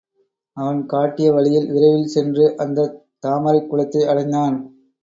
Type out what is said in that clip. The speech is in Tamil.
அவன் காட்டிய வழியில் விரைவில் சென்று அந்தத் தாமரைக் குளத்தை அடைந்தான்.